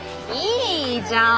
いいじゃん。